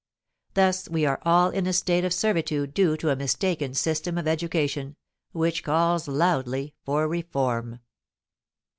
Thus we are all in a state of servitude due to a mistaken system of education, which calls loudly for reform.